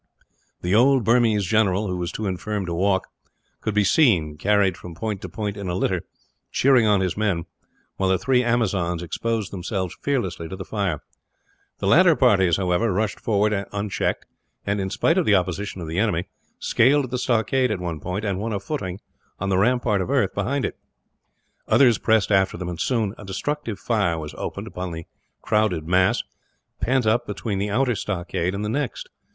The old Burmese general who was too infirm to walk could be seen, carried from point to point in a litter, cheering on his men, while the three Amazons exposed themselves fearlessly to the fire. The ladder parties, however, rushed forward unchecked and, in spite of the opposition of the enemy, scaled the stockade at one point, and won a footing on the rampart of earth behind it. Others pressed after them and, soon, a destructive fire was opened upon the crowded mass, pent up between the outer stockade and the next.